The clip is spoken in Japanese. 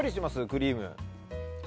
クリーム。